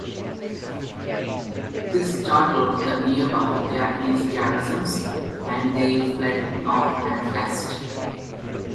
This startled the nearby Japanese garrisons, and they fled north and west.